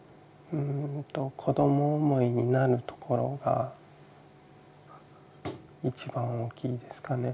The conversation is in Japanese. うんと子ども思いになるところが一番大きいですかね